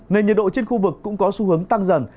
nền nhiệt độ trên khu vực cũng có xu hướng tăng dần